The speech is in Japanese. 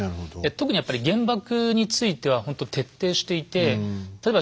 特にやっぱり原爆についてはほんと徹底していて例えば